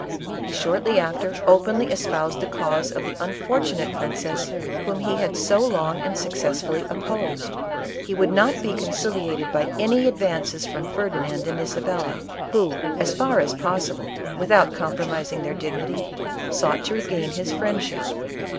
He shortly after openly es jx>used the cause of the unfortunate princess whom lie had so long and successfully opposed. He would not be conciliated by any advances from Ferdinand HIM! Isabella, who, as far as possible, without compromising their dignity, sought to regain his friendship.